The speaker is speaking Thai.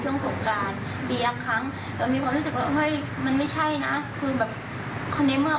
หนูก็พยายามอะค่ะพี่พยายามแบบว่าเออ